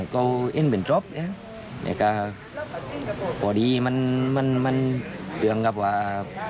ก็ยังเป็นศพและก็พอดีมันเตือนกับว่า